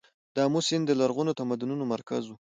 د امو سیند د لرغونو تمدنونو مرکز و